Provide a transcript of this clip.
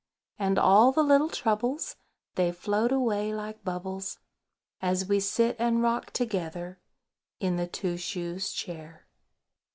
And all the little troubles, They float away like bubbles, As we sit and rock together In the Two shoes Chair.